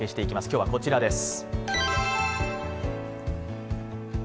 今日はこちらです。